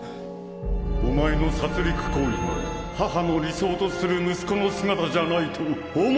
お前の殺戮行為が母の理想とする息子の姿じゃないと思うからではないのか！